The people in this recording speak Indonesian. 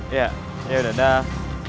iya yaudah dah